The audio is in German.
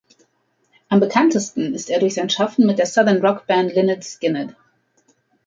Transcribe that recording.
Am bekanntesten ist er durch sein Schaffen mit der Southern Rock Band Lynyrd Skynyrd.